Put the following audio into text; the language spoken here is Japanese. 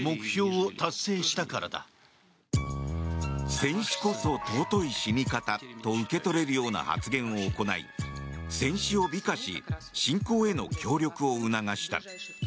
戦死こそ尊い死に方と受け取れるような発言を行い戦死を美化し侵攻への協力を促した。